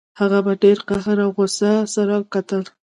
هغه په ډیر قهر او غوسه سره کتل